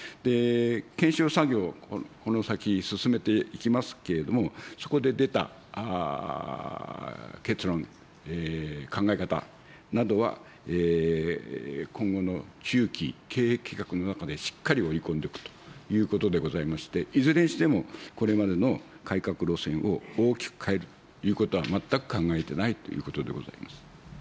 検証作業、この先、進めていきますけれども、そこで出た結論、考え方などは、今後の中期経営計画の中でしっかり織り込んでいくということでございまして、いずれにしても、これまでの改革路線を大きく変えるということは全く考えてないということでございます。